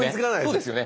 そうですよね。